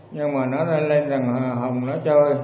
nhưng mà nó lên thằng hồng nó chơi